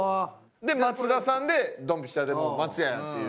で「松田さん」でドンピシャでもう松屋やんっていう。